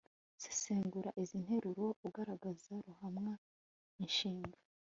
sesengura izi nteruro ugaragaza ruhamwa, inshinga